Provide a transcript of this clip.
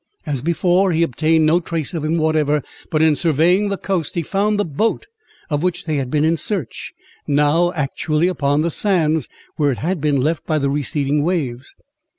As before, he obtained no trace of him whatever; but in surveying the coast, he found the boat of which they had been in search, now actually upon the sands, where it had been left by the receding waves.